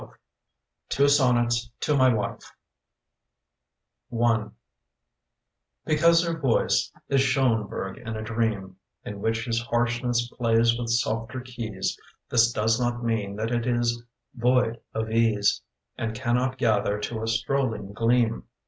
TWO SONNETS TO MY WIFE BECAUSE her voice is Schonberg in a dream In which his harshness plays with softer keys This does not mean that it is void of ease And cannot gather to a strolling gleam.